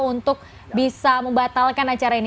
untuk bisa membatalkan acara ini